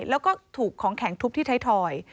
แล้วก็ถูกของแข็งทุบที่ไทยทอย